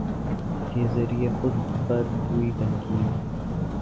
کے ذریعے خود پر ہوئی تنقید